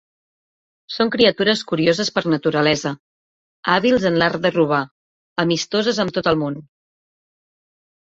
Són criatures curioses per naturalesa, hàbils en l'art de robar, amistoses amb tot el món.